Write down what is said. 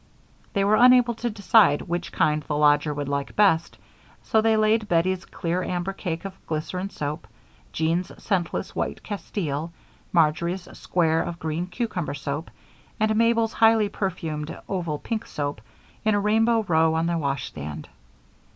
They were unable to decide which kind the lodger would like best, so they laid Bettie's clear amber cake of glycerine soap, Jean's scentless white castile, Marjory's square of green cucumber soap, and Mabel's highly perfumed oval pink cake, in a rainbow row on the washstand.